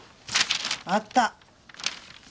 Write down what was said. あった！